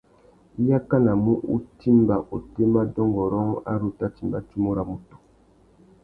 I yakanamú u timba otémá dôngôrông ari u tà timba tsumu râ mutu.